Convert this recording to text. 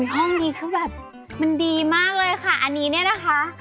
ห้องนี้คือแบบมันดีมากเลยค่ะอันนี้เนี่ยนะคะ